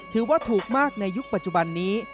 ถือว่าถูกมากในยุคปัจจุบันนี้